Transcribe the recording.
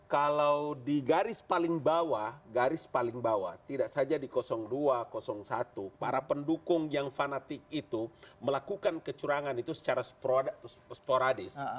kalau di garis paling bawah garis paling bawah tidak saja di dua satu para pendukung yang fanatik itu melakukan kecurangan itu secara sporadis